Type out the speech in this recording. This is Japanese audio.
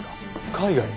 海外？